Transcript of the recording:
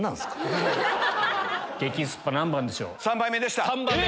激スッパ何番でしょう？